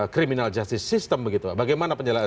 criminal justice system bagaimana penjelasan